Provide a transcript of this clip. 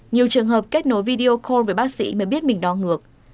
nhiều trường hợp kết nối video call với bác sĩ mới biết mình đo ngược